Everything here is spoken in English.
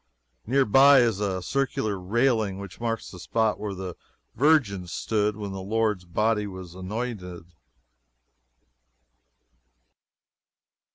Near by is a circular railing which marks the spot where the Virgin stood when the Lord's body was anointed.